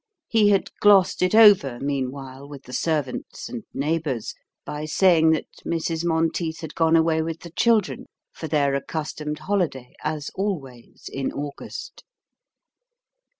He had glossed it over meanwhile with the servants and neighbours by saying that Mrs. Monteith had gone away with the children for their accustomed holiday as always in August.